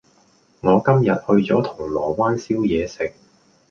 我今日去咗銅鑼灣燒嘢食